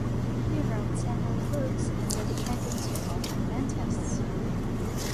He wrote several Books and dedicated to all Adventists.